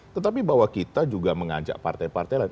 tetapi bahwa kita juga mengajak partai partai lain